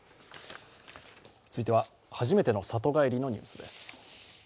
続いては、初めての里帰りのニュースです。